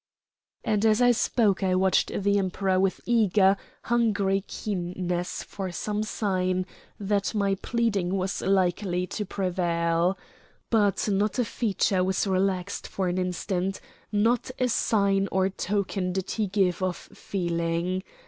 And as I spoke I watched the Emperor with eager, hungry keenness for some sign that my pleading was likely to prevail. But not a feature was relaxed for an instant, not a sign or token did he give of feeling.